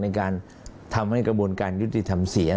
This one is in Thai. ในการทำให้กระบวนการยุติธรรมเสีย